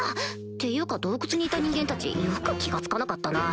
っていうか洞窟にいた人間たちよく気が付かなかったな